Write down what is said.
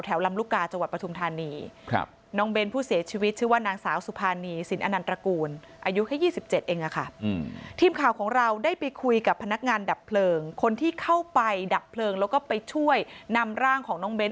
ทีมข่าวของเราได้ไปคุยกับพนักงานดับเพลิงคนที่เข้าไปดับเพลิงแล้วก็ไปช่วยนำร่างของน้องเบ้นท์